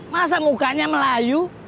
masa mukanya melayu